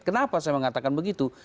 kenapa saya mengatakan begitu